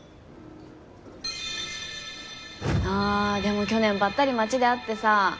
ああでも去年ばったり街で会ってさ。